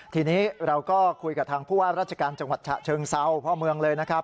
ทีนี้เราก็คุยกับทางผู้ว่าราชการจังหวัดฉะเชิงเซาพ่อเมืองเลยนะครับ